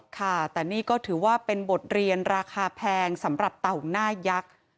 ค่ะแต่นี่ก็ถือว่าเป็นบทเรียนราคาแพงสำหรับเต่าหน้ายักษ์